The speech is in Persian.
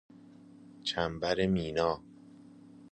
چنبر مینا